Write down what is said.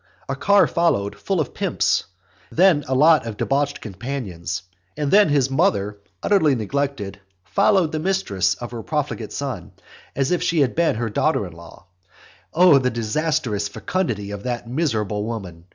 A car followed full of pimps; then a lot of debauched companions; and then his mother, utterly neglected, followed the mistress of her profligate son, as if she had been her daughter in law. O the disastrous fecundity of that miserable woman!